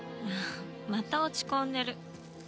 また落ち込んでる。